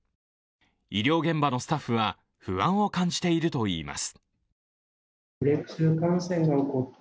医療現場のスタッフは不安を感じているといいます。